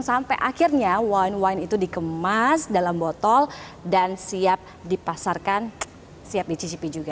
sampai akhirnya wine wine itu dikemas dalam botol dan siap dipasarkan siap dicicipi juga